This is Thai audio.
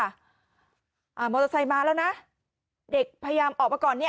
อ่ามอเตอร์ไซค์มาแล้วนะเด็กพยายามออกมาก่อนเนี่ย